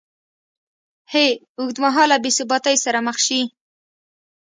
ه اوږدمهاله بېثباتۍ سره مخ شي